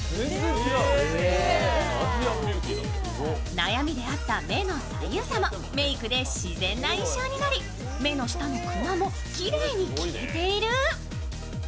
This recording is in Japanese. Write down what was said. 悩みであった目の左右差もメークで自然な印象になり目の下のクマもきれいに消えている。